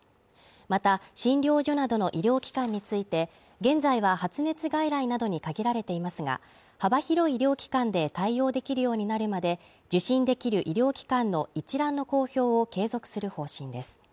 また、診療所などの医療機関について、現在は発熱外来などに限られていますが幅広い医療機関で対応できるようになるまで受診できる医療機関の一覧の公表を継続する方針です。